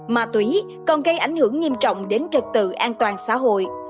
ma túy còn gây ảnh hưởng nghiêm trọng đến trật tự an toàn xã hội